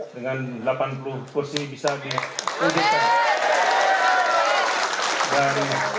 dengan delapan puluh kursi bisa ditudingkan